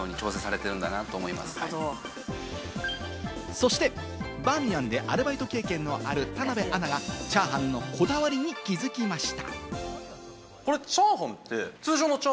そして、バーミヤンでアルバイト経験のある田辺アナが、チャーハンのこだわりに気づきました。